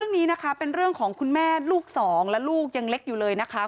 เรื่องนี้นะคะเป็นเรื่องของคุณแม่ลูกสองและลูกยังเล็กอยู่เลยนะคะ